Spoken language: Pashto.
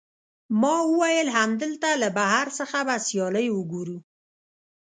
ما وویل، همدلته له بهر څخه به سیالۍ وګورو.